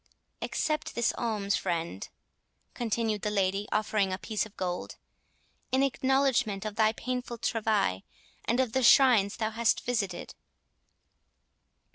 "Accept this alms, friend," continued the lady, offering a piece of gold, "in acknowledgment of thy painful travail, and of the shrines thou hast visited."